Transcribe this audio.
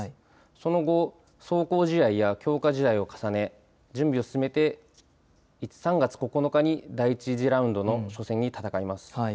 その後、壮行試合や強化試合を重ね、準備を進めて、３月９日に第１次ラウンドの初戦を戦います。